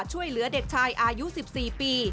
ช่วยเหลือเด็กชายอายุ๑๔ปี